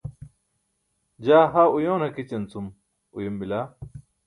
jaa ha uyoon hakićan cum uyum bila